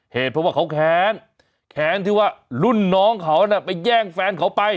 เหตุเพราะว่าเขาแค้นแค้นที่ว่ารุ่นน้องเขาน่ะไปแย่งแฟนเขาไป